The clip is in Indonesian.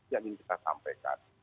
yang ingin kita sampaikan